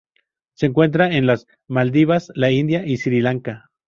Se encuentran en las Maldivas, la India y Sri Lanka.